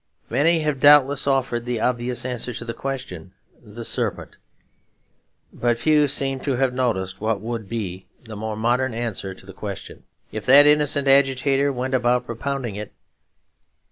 Many have doubtless offered the obvious answer to the question, 'The Serpent.' But few seem to have noticed what would be the more modern answer to the question, if that innocent agitator went about propounding it.